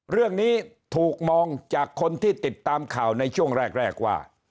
เรื่องนี้ถูกมองจากคนที่ติดตามข่าวในช่วงแรกว่า